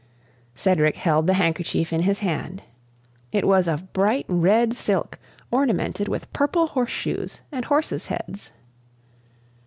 Cedric held the handkerchief in his hand. It was of bright red silk ornamented with purple horseshoes and horses' heads.